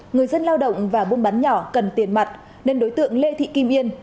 người dân lao động và buôn bán nhỏ cần tiền mặt nên đối tượng lê thị kim yên